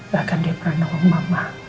bahkan dia pernah ngomong mama